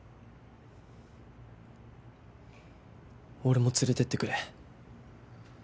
俺も連れて行ってくれ。